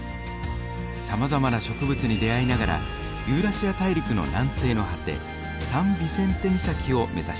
さまざまな植物に出会いながらユーラシア大陸の南西の果てサン・ビセンテ岬を目指します。